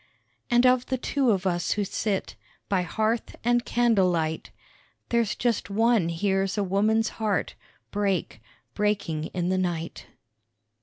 And of the two of us who sit By hearth and candle light, There's just one hears a woman's heart Break breaking in the night.